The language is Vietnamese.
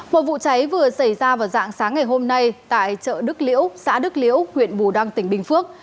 một vụ cháy vừa xảy ra vào dạng sáng ngày hôm nay tại chợ đức liễu xã đức liễu huyện bù đăng tỉnh bình phước